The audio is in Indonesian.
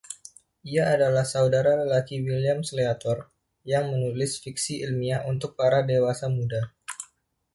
Ia adalah saudara lelaki William Sleator, yang menulis fiksi ilmiah untuk para dewasa muda.